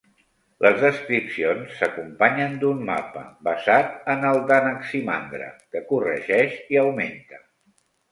Les descripcions s'acompanyen d'un mapa, basat en el d'Anaximandre, que corregeix i augmenta.